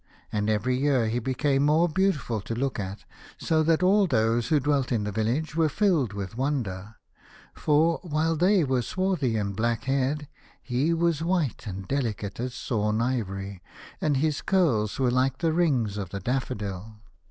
And every year he became more beautiful to look at, so that all those who dwelt in the village were filled with wonder, for, while they were swarthy and black haired, he was white and delicate as sawn ivory, and his curls were like the rings of the daffodil.